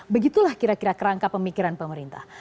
begitulah kira kira kerangka pemikiran pemerintah